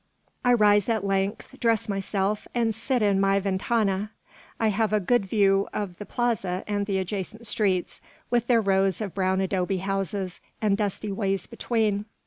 I rise at length, dress myself, and sit in my ventana. I have a good view of the plaza and the adjacent streets, with their rows of brown adobe houses, and dusty ways between.